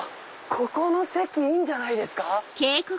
ここの席いいんじゃないですか？